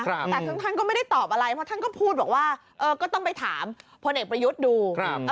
แต่ทั้งท่านก็ไม่ได้ตอบอะไรเพราะท่านก็พูดบอกว่าก็ต้องไปถามพลเอกประยุทธ์ดู